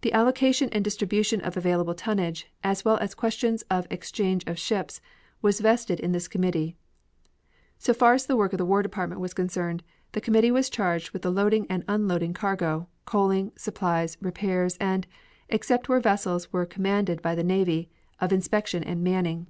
The allocation and distribution of available tonnage, as well as questions of exchange of ships, was vested in this committee. So far as the work of the War Department was concerned the committee was charged with the loading and unloading cargo, coaling, supplies, repairs, and, except where vessels are commanded by the navy, of inspection and manning.